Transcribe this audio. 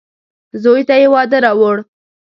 زوی ته يې واده راووړ.